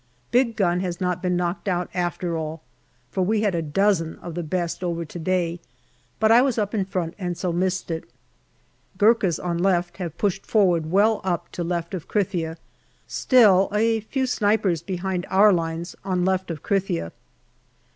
Big gun has not been knocked out after all, for we had MAY 89 a dozen of the best over to day, but I was up in front and so missed it. Gurkhas on left have pushed forward well up to left of Krithia. Still a few snipers behind our lines on left of Krithia.